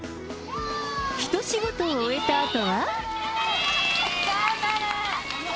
一仕事を終えたあとは。